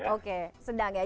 oke sedang ya